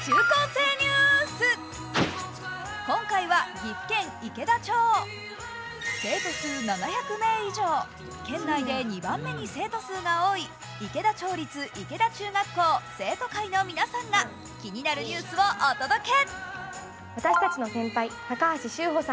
生徒数７００名以上、県内で２番目に生徒数が多い池田町立池田中学校生徒会の皆さんが気になるニュースをお届け。